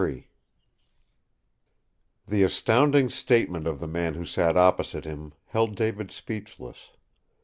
XXIII The astounding statement of the man who sat opposite him held David speechless.